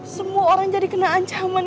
semua orang jadi kena ancaman